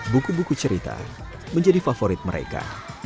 buku buku cerita menjadi favorit mereka